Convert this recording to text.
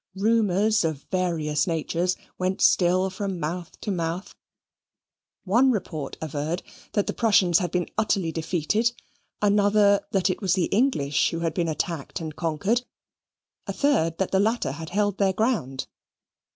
Rumours of various natures went still from mouth to mouth: one report averred that the Prussians had been utterly defeated; another that it was the English who had been attacked and conquered: a third that the latter had held their ground.